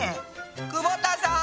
久保田さん！